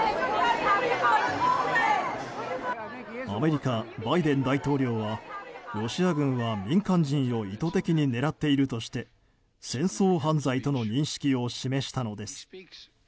アメリカ、バイデン大統領はロシア軍は民間人を意図的に狙っているとして戦争犯罪との認識を示したのです。